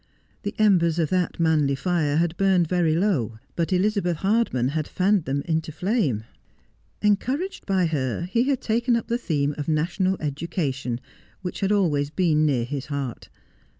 The embers of that manly fire had burned very low, but Elizabeth Hardman had fanned them into flame. Encouraged by her he had taken up the theme of national education, which had always been near his heart.